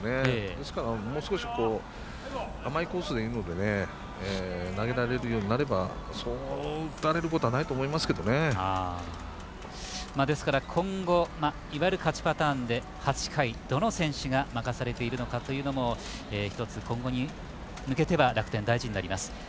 ですから、もう少し甘いコースでいいので投げられるようになればそう打たれることはないと今後、いわゆる勝ちパターンで、８回どの選手が任されているのかというのも一つ、今後に向けては、楽天大事になります。